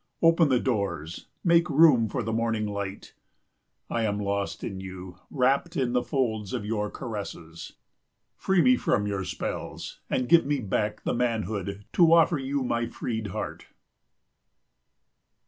Open the doors, make room for the morning light. I am lost in you, wrapped in the folds of your caresses. Free me from your spells, and give me back the manhood to offer you my freed heart.